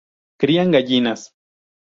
Crían gallinas.